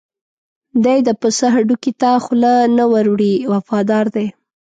دی د پسه هډوکي ته خوله نه ور وړي وفادار دی.